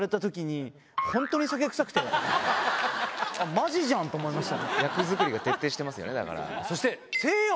マジじゃん！と思いました。